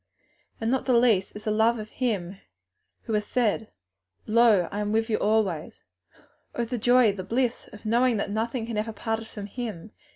and not the least the love of Him who has said, 'Lo, I am with you alway.' Oh the joy, the bliss of knowing that nothing can ever part us from Him!